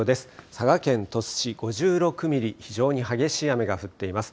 佐賀県鳥栖市、５６ミリ非常に激しい雨が降っています。